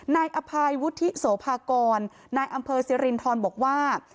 นายอภัยวุฒิโสภากรนายอำเภอสิรินทรบอกว่า